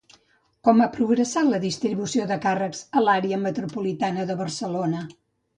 Com ha progressat la distribució dels càrrecs a l'Àrea Metropolitana de Barcelona?